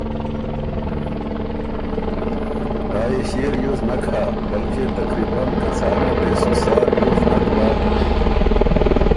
آ يې ݭيې ریوز نک هۀ بلکې تقریباً که څان نر دې سو سا ریوز نک بَۀ